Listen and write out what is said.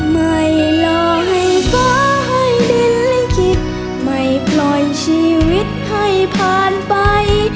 ไม่รอให้ฟ้าให้ดินและคิดไม่ปล่อยชีวิตให้ผ่านไป